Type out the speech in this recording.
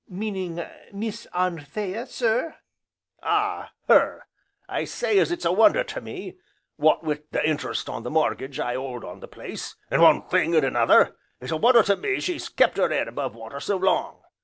"Meaning Miss Anthea, sir?" "Ah, her! I say as it's a wonder to me, wo't wi' the interest on the mortgage I 'old on the place, and one thing and another, it's a wonder to me as she's kept her 'ead above water so long.